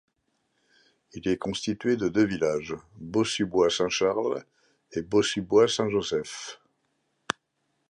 Il est constitué de deux villages, Boussu-Bois-Saint-Charles et Boussu-Bois-Saint-Joseph.